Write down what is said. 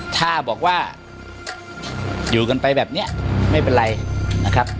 ถ้าบอกว่าอยู่กันไปแบบนี้ไม่เป็นไรนะครับ